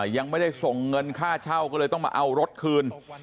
ยังไม่ได้ส่งเงินค่าเช่าก็เลยต้องมาเอารถคืน